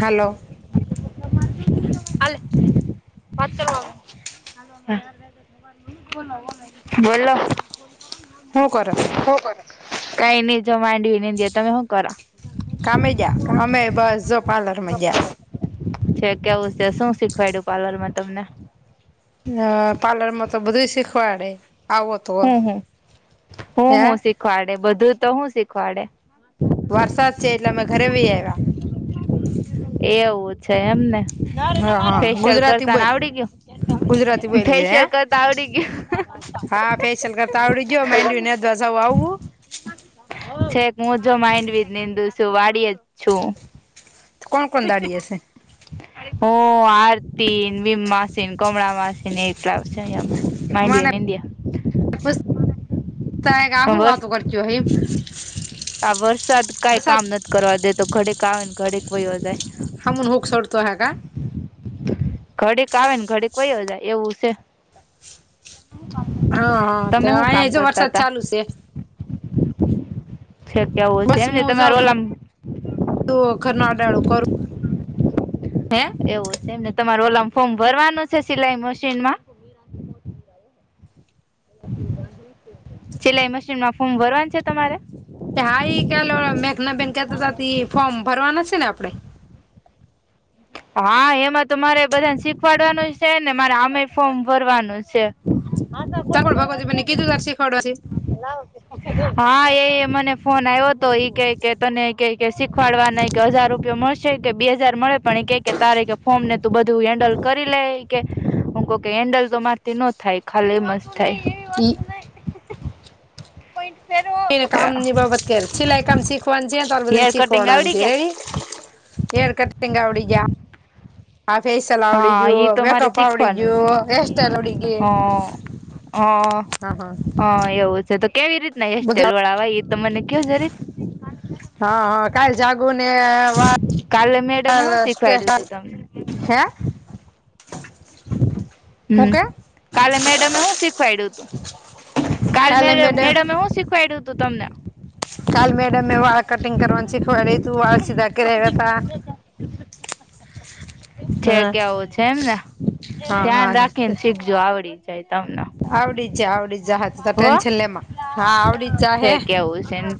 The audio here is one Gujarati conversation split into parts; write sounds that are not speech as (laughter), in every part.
હલો. (unintelligible) બોલો બોલો. હું કરસ કઈ નહી જો માંડવી નેંદીય તમે હું કરો. કામે ગયા અમે બસ જો પાર્લરમાં ગયા. છે કેવું છે શું શીખવાડું પાર્લરમાં તમને. હા પાર્લરમાં તો બધું શીખવાડે આવ હમ, હમ, હું, હું શીખવાડે બધું તો શું શીખવાડે. વરસાદ છે એટલે અમે ઘરે વહી આવ્યા. એવું છે એમને હા હા ફેશિયલ ગુજરાતી કરતા ને બોલ આવડી ગુજરાતી ગયું. બોલ છે હે ફેશિયલ કરતા આવડી ગયું. હા ફેેશિયલ કરતા આવડી ગયું માંડવી (unintelligible) આવું. છેક હું જો માઇન્ડ બી નિનીંદુ છું વાળી જ છું. કોણ કોણ દાડી હસે. હું, આરતી, વીમ માસી કમળા માસીને એજ. (unintelligible) (inaudible) સાહે આ હું વર્ષ વાતો કરતી છું આ વરસાદ કઈ કામ (unintelligible) નથી કરવા દે તો ઘડીક આવે ને ઘડીક વયો જાય. (unintelligible) ઘડીક આવે ને ઘડીક વયો જાય એવું છે. હા હા તમે શું કામ અહીંયા જો કરતા વરસાદ હતા. ચાલુ છે છે કેવું છે બસ એમને મું જો તમારે ઘર ઓલામ (unintelligible) કરું. હે એવું છે એમને તમાર ઓલમ ફોર્મ ભરવાનું છે સિલાઈ મશીનમાં? સિલાઈ મશીનમાં ફોર્મ ભરવાનું છે તમારે. હા, એક મેઘના બેન કેતા ફોર્મ ભરવાનું છે ને આપડે. હા એમાં તો મારે બધાને શીખવાડવાનું છે ને મારે આમે ફોર્મ ભરવાનું છે. (unintelligible) ભગવતીને કીધું શીખવડા (unintelligible) ના. હા એ મને ફોન આવ્યો હતો એઈ કે કે તને કે શીખવાડા ને કે હજાર રૂપીયા મળશે છે કે બે હજાર મળે પણ કે કે તારે કે ફોન ને તું બધું હેન્ડલ કરી લે કે હું કંહુ કે હેન્ડલ તો મારથી ન થાય ખાલી થાય. ઈ એને કામની બાબત કે સિલાઈ કામ શીખવા છે તાર બાદ હેર કટિંગ આવડી શીખવાડસી ગયા (unintelligible) (unintelligible) આવડી ગયા. આ ફેસલ આવડી હા ઈ ગયું તો મારે મેકઅપ આવડી શીખવાનું ગયું હેર સ્ટાઈલ આવડી ગઈ. હા, હા એવું છે તો કેવી રીતના હેર બધું સ્ટાઈલ એ તો મને કયો જરીક. હા, હા કાલ જાગું વા કાલે હ મેડમે હું શીખવાડ્યું સ્ટેશન તું તમને હે. હું હમ કે કાલે મેડમે શું શીખવાડું હતું. કાલ કાલે મેડમ મેડમે હું શીખવાડ્યું હતું તમને. કાલ મેડમે વાળ કટિંગ કરવાનું શીખવાડયું તું વાળ સીધા કરાવ્યા હતા. (unintelligible) છે કેવું છે એમને, હા હા ધ્યાન હા રાખીને શીખજો આવડી જાય તમને આવડી જા આવડી જાહ ત હો અટેન્શન લેમાં, હા આડીજ જાહે, છે કેવું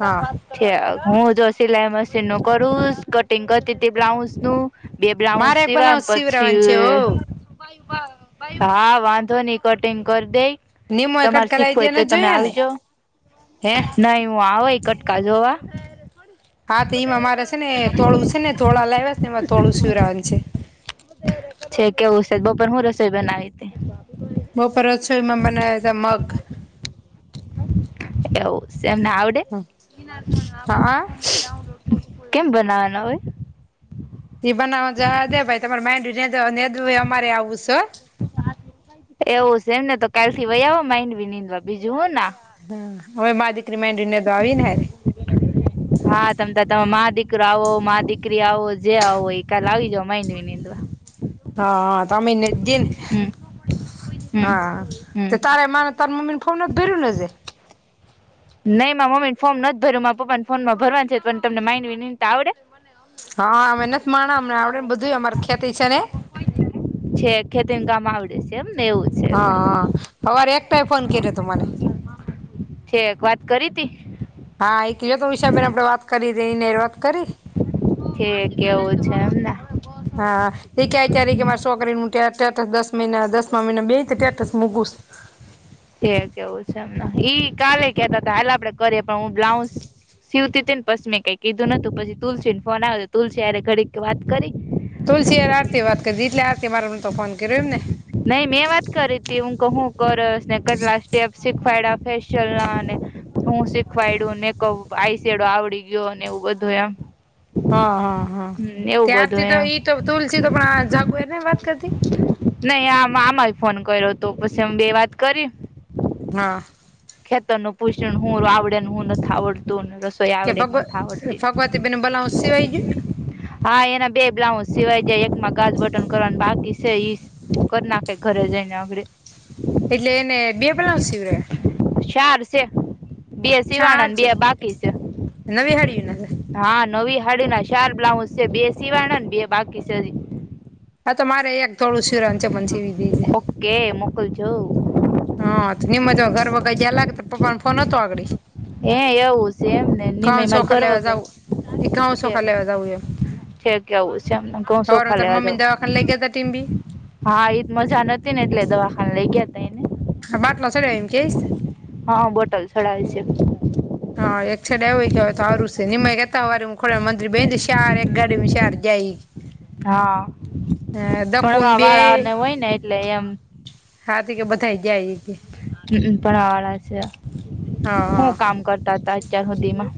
હા છે હું તો સિલાઈ મશીનનું કરુંસ કટિંગ કરતી હતી બ્લાઉસનું બે બ્લાઉસ મારે એક સીવા બ્લાઉઝ સીવરાવાનું છે પછી હો હા, વાંધોની કટિંગ કર દેય નિમો એ તમારે કટકા લાવી શીખવું હોય દે તો નથી તમે જોયા ને આવીજો, હે નઈ હું આવુ એકટ કા જોવા હા, ત ઈમાં મારે છે ને તોળું છે ને તોળા લાયવા છે ને એમાં તોળું સુરાન છે છે કેવું શે બપર હું રસોઈ બનાવી હતી? બપર રસોઈમાં બનાવ્યા હતા મગ એવું શે એમને આવડે હતા મગ હા કેમ બનાવાના હોય? એ બનાવા જાવા દે ભાઈ તમારે મેઇન્ડ દડુ નેદુય અમારે આવું શ્ એવું છે એમને તો કાલથી વય આવો માઈન્ડ વિનીંદવા બીજું હું ના હા, હવે મા દકરી માડીને તો આવી નેરે હા, તમત તમ દીકરો આવો મા દીકરી આવો જે આવો એ કાલ આવી જાવ માઈની નીંદવા હા, તમે નીંદીન, હમ હમ હા હમ તારે મારે તામે મમે ફોન ભરયું નજેે નહીં મા મમ્મી ન ફોર્મ નથી ભયરુ મા પપ્પાને ફોન ભરવાની છે પણ તમને માઇન્ડ વિનીનતા આવડે હા, અમે નથી માણા અમને આવડે ને બધુંય અમાર ખેતી છે ને છે, ખેતીન કામ આવડે છે એમ ને એવું છે એમને હા, હવારે એક ભાઇ એ ફોન કર્યો તો મને છેક વાત કરી તી હા, એ કીયો તો હિષાબેન આપડે વાત કરી તી ને દર કરી એ કેવું છે એમને હા, એ કયારેક કયારેક મારે છોકરીનું સ્ટે સ્ટેટસ દસ મહિના દસમા મહિનામાં બેહેને સ્ટેટસ મૂકુંશુ જે કેવું છે, એમ ને ઈ કાલે કેતા હતા હાલ આપડે કરીએ પણ હું બ્લાઉઝ સિવતી તી ને પછી મેં કઈ કીધું નતું પછી તુલસી ન ફોન આવે તો તુલસી હારે ઘડીક વાત કરી તુલસી હાર આરતી વાત કરી એટલે આરતી મારે પર તો ફોન કર્યો એમ ને નહી મેં વાત કરી હતી હું, હું કરશ ને કેટલા સ્ટેપ શીખવાયડા ફેસિયલ ના ને હું શીખવાયડું ને કપ આઈસેયડો આવડી ગીયો ને એવું બધું એમ હ, હ, હ, હમ એવું બધું ત્યારથી તો એમ ઈ તો તુલસી તો પણ આ જાગુ એ નઈ વાત કરતી નહી આમ આમાંય ફોન કર્યો હતો પશી અમે બે વાત કરી હા, ખેતરનુ પુષણ હું આવડે ને હું નથી આવડતું ને રસ સોઈ કે આવડેક ભગવ નથી આવડતી ભગવતી બેન નું બ્લાઉઝ સિવાય ગયું હા, એના બે બ્લાઉઝ સિવાય જાય એકમાં કાચ બટન કરવાના બાકી છે. ઈસ કર નાખે ઘરે જઈને અધળે એટલે એને બે બ્લાઉઝ સિવ્યા ચાર શે બે શિવાણા ચાર ને બે છે બાકી શે નવી હાડીયું નથી હા, નવી હાડીના ચાર બ્લાઉઝ શે બે સિવાણા ને બે બાકી શે હજી હા, તો મારે એક થોડું શીરન છેે પણ છીવી દીજે કે મોકલ જો હથ, ની મેતો ઘર વગર ગેયાલાગત પપ્પા પણ ફોન અતો આગડી, હે એવું છે એમ ને ધઉ નિમય માર ચોખા ઘર લેવા વગર જાવું. એ ધઉ ચોખા લેવા જાવું એમ થ કે આવું છે એમને ઘઉ સવારમાં સૌખા તાર લેવા જઉ મમ્મીને દવાખાને લઈ ગયા તા ટીમ્બી હા, એ મજા નથી ને એટલે દવાખાના લઇ ગયા, એને હા, બાટલો છેને એમ કેય હા બોટલ ચડાવેલ છે. હા, એક સાડ આવ કેય તો હારું છે નિમયતા વાર હ ખોડા મંત્રી બ શાર એક ગાડી શાર જાય (inaudible) હા, અ દકુન ભણવા બે વાળને હોય ને એટલે એમ થઈ જાય ઈ હ ભણાવ વાળા છે, હા હા હું કામ કરતા હતા અત્યાર સુધીમાં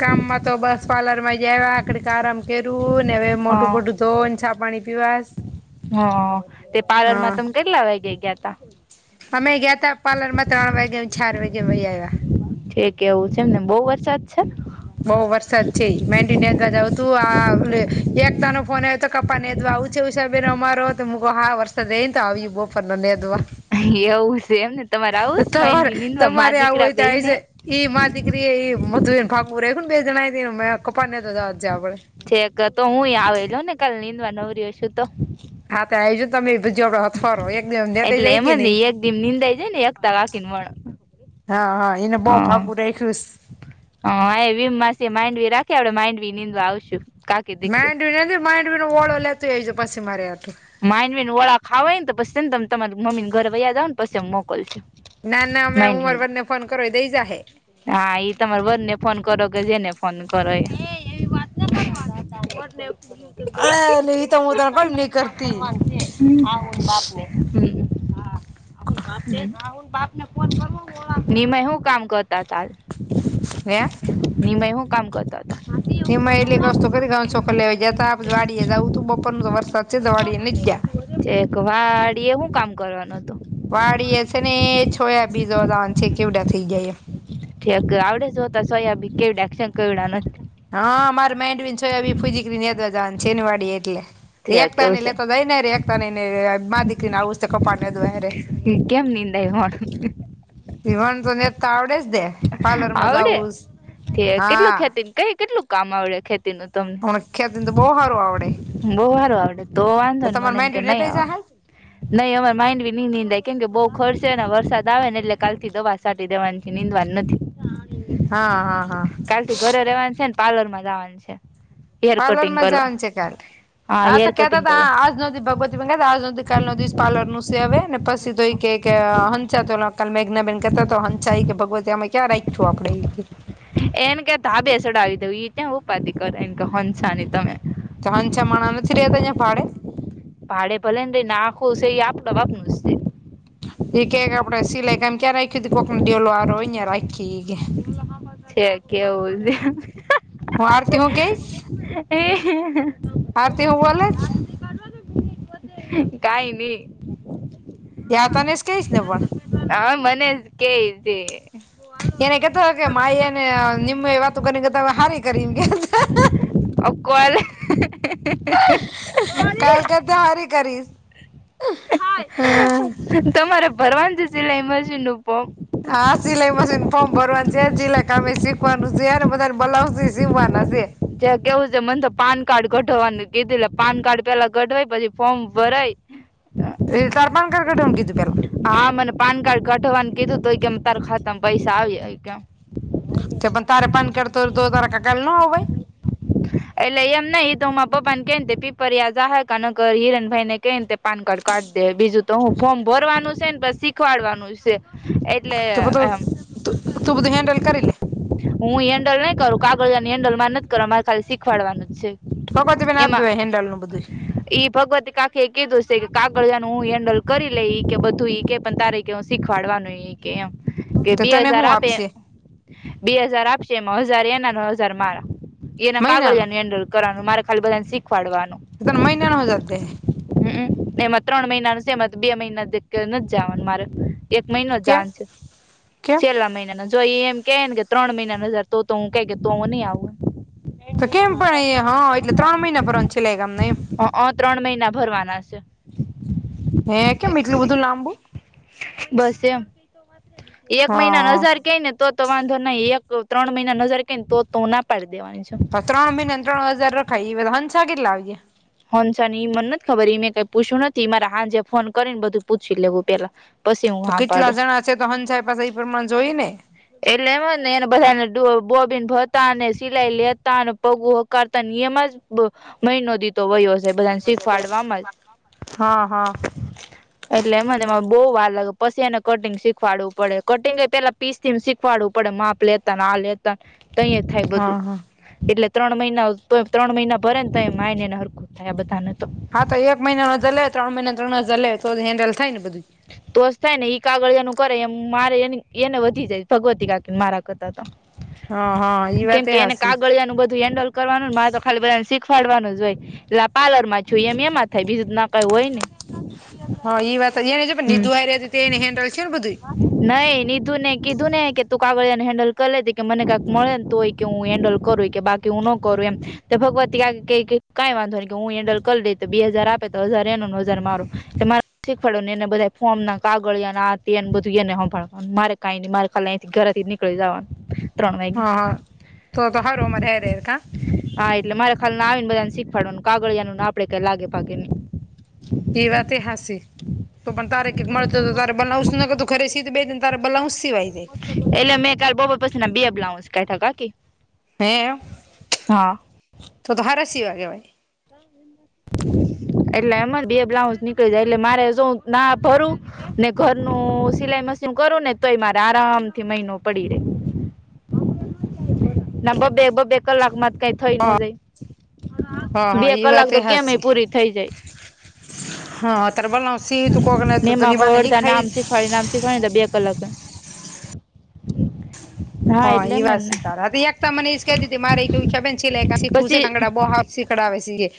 કામમાં તો બસ પાર્લર માં જ્યા આડી આરામ કર્યું ને, મોઢું હા બોઢુ ધોઇ ને ચા પાણી પીવા હ તે પાર્લરમાં તમે કેટલા વાગે ગયા તા? અમે ગયાતા પાર્લર માં ત્રણ વાગ્યા ચાર વાગે વહી આવ્યા, ઠીક એવું છે એમને બહુ વરસાદ છે. બઉ વરસાદ છે, માંડવી નેદવા જાઆવતું આ એકતા નો ફોન આવ્યો તો કપા નેદવા ઉછે ઉછા બેનો અમારો, તો મૂક હા વરસાદ રઈ ને તો આવીએ બપોર ને નેદવા એ એવું છે એમને તમારે આવું જ માઇન્ડ તમારે બી નિંદવા તમારે માં આવું દીકરા હોય તો આવી બેને જાય ઈ મા દીકરી એ ઈ મધુ એ ફાગુ ર બે જણ દી મે કપા નેદવા તો જવાનું છે, આપને છેક તો હું આવેલો ને કાલે નીંદવા નવરી હસુ તો. હા, ત આ આવીજ તમે બધીયનોહથવારો એક દિઅ માં નેદાવ એટલે જાય એમ કે જ ને નયી. એક દી નીંદાઈ જાય ને એકતા કાકીને વણ હા હા એને બહ ફાગું રાખ્યુંસ હ વીમ માસી માન્ડવી રાખે આપડે માઇન્ડવીં નીદવા આવશું. દીકરી માંડવી નથી માંડવી નો ઓળો લેતી આવજે એજ પછી મરહટુ માનવી ઓળા ખાવવા હોય તો પછી ને તમે તમારી મમ્મીને ઘરે વૈયા જાવ ને પછી મોકલ છું. ના ના અમે હું મારા વર ને ફોન કરો એ દઈ જાય હા, એઈ તમારા વર ને ફોન કરો કે જેને ફોન કરો (inaudible) અલે ઈ તો હું તને (unintelligible) (unintelligible) નિમાય હું કામ કરતા હાલ, (unintelligible) નિમાં હું કામ કરતા તા નિમાં એલી કસ્તો કરી ગઉ ચોખા લેયવા જાતા પછી વાડીએ જવું તું બપોર વરસાદ છે તો વાડીએ નથ ગયા (unintelligible) એક વાડી એ હું કામ કરવાનું હતું વાડી એ છે ને છોયા બી જોવા જવાનું છે કેવડા થઈ ગયા. ઠેક આવડે જ જોતા સોયાબીન કેવડાન થયા કે કેવડા નઈ. હા મારે માઈન્ડ બી ફુજીક નેદવા જવા છેનવાડી એટલે તે એકતા કેવું લેતો જઈ ને ર એકતા ન ને મા દીકરીને આવું કપા નેદવા. કેમ નિંદ (unintelligible) એવોણ ને તો ને નેદતા આવડે જ દે પાર્લરમાં આવડે જઉસ તે કેટલું હા ખેતી કઈ કેટલું કામ આવડે ખેતી નું તમને? હમણાં ખેતીને તો બહુ હારું આવડે બહ સારું આવડે, તો વાંધો ને તમારે મને એમ કે માંડવી નહી નેદાઈ આવેડ જાહે નહીં અમારે માન્ડવી નહિ નિંદાય કેમ કે બહુ ખડ સેને વરસાદ આવે ને એટલે કાલ થી દવા છટી દેવાની છે. નિદવા નું નથી હા હા હા કાલ થી ઘરે રહેવાનું છે, પાર્લર માં જવાનું છે. હેર કટિંગ પાર્લરમાં કરવા જવાનું છે, કાલ હા તો હેર કેતા કટિંગ હતા કરો આજ નોતી. આજનો દિ કાલનો દી પાર્લરનું છે, હવે ને પછીઈ ક હંચો તો કાલ મેઘના બેન કેતા તો હતા હંસાય કે ભગવતેમે ક્યાં રાખ્યું આપણે એને કે ધાબેસડાવી દ એ ત્યાં ઉપાથી કર એ હોનસા ની તમે ચન છા મણ નથી રતાહીં ભાડે ભાડે ભલે ને રહી નાખો છે એ આપણા બાપ નુ સે. એ કે આપડે સિલાઈ કમ ક્યાં રાખી ત કોકને ડેલો આરો અં રાખી એઈ કે. છે કેવું છે. હું આરતી હું કેઈશ આરતી હું બોલસ. કઈ નહી. યા તનેસ કેઈ જ ને પણ હા મને કેજે. એને કેતો કે માઈ એને નિમ માઈ વાતુ કરી કેતા હારી કરી ગયા. અ કોલ. કાલ કરતા હારી કરીશ. હમ તમારે ભરવાનુ જે સિલાઈ મશીન નુ ફોમ. હા સિલાઈ મશીન ફોર્મ ભરવાનું છે સિલાક કામ સીખવાનું છે ને બધાને બ્લાઉઝ થી સીવવાના છે. જયાં કેવું છે મને તો પાન કાર્ડ કઢવાનું કીધું પાન કાર્ડ પેલા કઢવાય પછી ફોર્મ ભરાય. એ તરપણ કર ઘઢું (inaudible) કીધું પેલા. હા મને પાન કાર્ડ કઢવાનું કીધું તો કેમ તારું ખાતમા પૈસા આવી કેમ. તે પણ તારે પાન કાર્ડ તો તો તારા કાકા ના હોય. એટલે એમ નહિ ઈ તો માર પપ્પા ને કે ને પીપરયા જાહર ક ન કર હિરન ભાઈ ને કેઈતે પાન કાર્ડ કાઢ દે બીજું તો હું ફોર્મ ભરવાનું છે ને પછી શીખવાડવાનું છે. એટલે તો તો એમ તું બધું હેન્ડલ કરી લે. હું હેન્ડલ નહી કરું કાગળજ ની હેન્ડલ મારે નથી કર મારે ખાલી શીખવાડવાનું જ છે. ભગવતી બેન આપ એમાં દેવાય હેન્ડલ નું બધું એ ભગવતી કા. એ કીધું છે કે કાગળનું હું હેન્ડલ કરી લઈ કે બધું ઈ કે પણ તારી કેું શીખવાડવાનું એ. કેમ કે તો બે તને હજાર હું આપે. આપશે બે હજાર આપશે એમ હજાર એના ન હજાર મારા. એના મહિનાનો કાગળને હેન્ડલ કરવાનું મારે ખાલી બધાને શીખવાડવાનું. એ ત મહિના નને (inaudible) જતેે હમ એમાં ત્રણ મહિનાનું છે એમાં બે મહિના જ નથી જવાનું મારે. એક મહિનો કેમ જાન છે કેમ છેલ્લા મહિનાનો જો એમ કે ને કે ત્રણ મહિના નુ હજાર તો હું ક કે તો હું નઇ આવું. દેડ તો મહિના કેમ ન પણ એ હજારડી હા એટલે ત્રણ મહિના ભરવાનું સિલાઈ કામના એમ (inaudible) અ ત્રણ મહિના ભરવાના છે. હે કેમ એટલું બધું લાંબુ. બસ એમ એક મહિના નુ હજાર હા કે ને તોજ. તો વાંધો નહી એક ત્રણ મહિના હજાર કને તો તું ના પાડી દેવાની. છે તો ત્રણ મહિનાને ત્રણ હજાર રખાય એ બધ હંસા કેટલા આવજે. હંસા એ મને નથી ખબર મેં કઈ પૂછ્યું નથી મારા હાજે ફોન કરી ને બધું પૂછી લેવું પેલા પછી હું તો હા કેટલા પાડે જણા છે તો હંસાઈ પાસે એ પ્રમાણે જોઈ ને. એટલે એમ જ ને એને બધાને બોબીન ભતા અને સિલાઈ લેતા અને પગું હોકારતા એમ જ. બ મહિનો દી. તો વયયો હશે બધાને શીખવાાડ વાવામાં જ. હા હા એટલે એમને એને બહુ વાર લાગે પછી એને કટિંગ શીખવાડવું પડે કટિંગ એ પેલા પીસ. શીખવાડવું પડે માપ લેતા આ લેતા તહીએ થાય હા બધું. હા એટલે ત્રણ મહિના તો ત્રણ મહિના ભરે ને તો એ માય નેને હરખુ થયા બધાને. હા તો એક મહિના હજાર લે ત્રણ મહિના ત્રળ હજાર લે તો જ હેન્ડલ થાય ને બધું. તોસ થાય ને ઈ કાગળ એનું કરે એ મારે એ એને વધી જાય ભગવતી કાકી મારા કેતા તા હા હા ઈ વાત એ કેમકે એને હાસી કાગળિયાનું બધું હેન્ડલ કરવાનું મા તો ખાલી બધા ને શીખવાડવાનું જ હોય. એટલે પાર્લર માં જોએ એમ એમાં થાય બીજું ના કઈ હોય ને. હ ઈ વાતની રહ હમ હતી તે એ હેન્ડલ છે ને બધું નઈ નિધું નને કીધું ને કે તું કાગળિયાને હેન્ડલ કરી લેધ કે મને કાંક મળેને તું. કે હું હેન્ડલ કરું કે બાકી હું ન કરું એમ તો ભગવતી કઈ વાંધો ન કે હું હેન્ડલ કરી લે બે હજાર આપે તો હજાર એનો નો હજાર મારો એ મારે શીખવાડો ને એ બધા ફોર્મ ના કાગળને બધું એને સંભાળવાનું મારે કઈ ન મારે ખાથી ઘરા થી નીકળી જવાનું ત્રણ વાગે હા હા તો તો હારમર હે રા હા એટલે મારે ખા આવીને બધા ને શીખવાડવાનું કાગળિયાનું આપડે કઈ લાગે ભાગી નને એ વાત હસી તો પણ તારે કક મળત તારે બનાવશું ત ખરે સીધ બે જ તાર બલાઉસ સિવાય છેાય એટલે મેં કાલે બોપર પછી ના બેબ લાવ કાઠા કાકી હે હા તો તો હારસી વાગે ભાઈ એટલે એમાં જ બે બ્લાઉસ નીકળી જાય એટલે મારે શ ના ભરું ને ઘરનું સિલાઈ મશીન કરો ને તો એ મારે આરામ થી મહિનો પડી રે નમબ બેગબ બે લાગ માતક થઈ ન જાય હા બે હા ઈ કલાક વાત તો એ કેમેય હાસી પૂરી થઈ જાય હા ત બલાઉ સી તું કોકના તું તો નિભને હ ખાઈ થરી નામ શીખવાણી દ બેી અલગ હા એ વાત સકારાર એક ત મને ક દીી મારેબીલે પછી સીકડા આવેવેસીગ